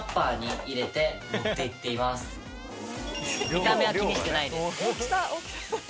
見た目は気にしてないです。